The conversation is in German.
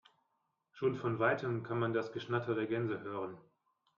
Schon von weitem kann man das Geschnatter der Gänse hören.